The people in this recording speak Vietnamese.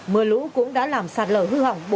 mưa lũ cũng đã làm sạt lở hư hỏng